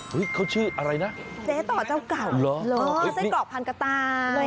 เขาชื่ออะไรนะเจ๊ต่อเจ้าเก่าเหรอไส้กรอกพันกระต่าย